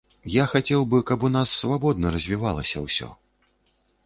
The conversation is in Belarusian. Я хацеў бы, каб у нас свабодна развівалася ўсё.